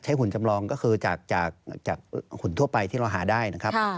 หุ่นจำลองก็คือจากหุ่นทั่วไปที่เราหาได้นะครับ